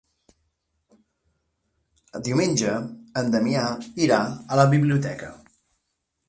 Diumenge en Damià irà a la biblioteca.